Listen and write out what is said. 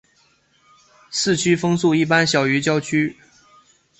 市区风速一般小于郊区。